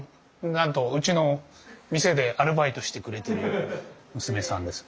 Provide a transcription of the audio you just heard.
なんとうちの店でアルバイトしてくれてる娘さんです。